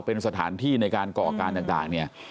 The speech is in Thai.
เป็นสถานที่ในการก่อการต่างเนี่ย